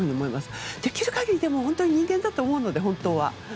でもできる限り人間だと思うんで、本当は。